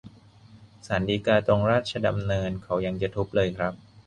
ศาลฎีกาตรงราชดำเนินเขายังจะทุบเลยครับ